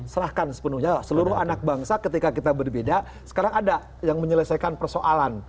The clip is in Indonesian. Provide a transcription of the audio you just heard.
serahkan sepenuhnya seluruh anak bangsa ketika kita berbeda sekarang ada yang menyelesaikan persoalan